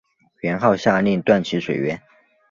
元昊下令断其水源。